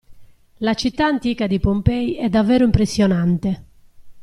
La città antica di Pompei è davvero impressionante!